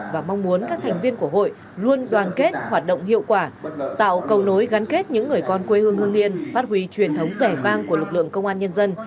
và mong muốn các thành viên của hội luôn đoàn kết hoạt động hiệu quả tạo cầu nối gắn kết những người con quê hương hương yên phát huy truyền thống vẻ vang của lực lượng công an nhân dân